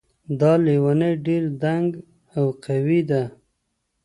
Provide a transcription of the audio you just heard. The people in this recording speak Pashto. دا لیونۍ ډېر دنګ او قوي ده